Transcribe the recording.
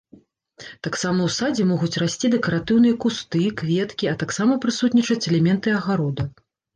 Таксама ў садзе могуць расці дэкаратыўныя кусты, кветкі, а таксама прысутнічаць элементы агарода.